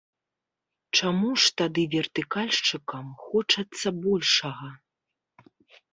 Чаму ж тады вертыкальшчыкам хочацца большага?